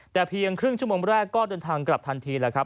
แต่เพียงครึ่งชั่วโมงแรกก็เดินทางกลับทันทีแล้วครับ